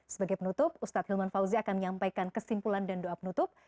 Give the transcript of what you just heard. sebagai penutup ustadz hilman fauzi akan menyampaikan kesimpulan dan doa penutup